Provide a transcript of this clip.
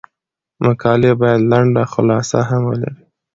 مقالې باید لنډه خلاصه هم ولري.